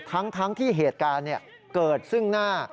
ทั้งที่เหตุการณ์เกิดซึ่งหน้า